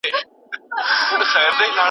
که ئې واده ورسره وکړ.